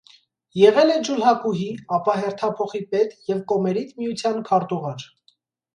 Եղել է ջուլհակուհի, ապա հերթափոխի պետ և կոմերիտմիության քարտուղար։